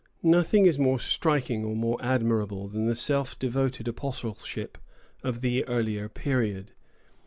Nothing is more striking or more admirable than the self devoted apostleship of the earlier period.